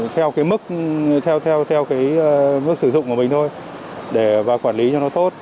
theo cái mức sử dụng của mình thôi để và quản lý cho nó tốt